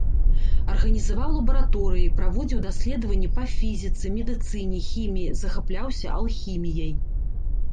Арганізаваў лабараторыі, праводзіў даследаванні па фізіцы, медыцыне, хіміі, захапляўся алхіміяй.